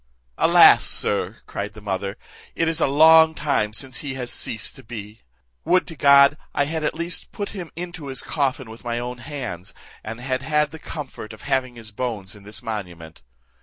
"Alas! sir," cried the mother, "it is a long time since he has ceased to be: would to God I had at least put him into his coffin with my own hands, and had had the comfort of having his bones in this monument!